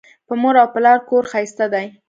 په مور او پلار کور ښایسته دی